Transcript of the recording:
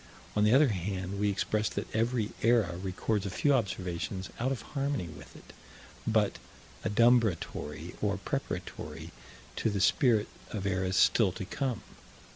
On the other hand, we express that every era records a few observations out of harmony with it, but adumbratory or preparatory to the spirit of eras still to come.